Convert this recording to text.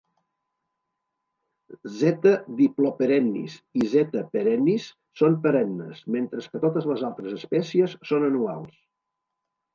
"Z. diploperennis" i "Z. perennis" són perennes, mentre que totes les altres espècies són anuals.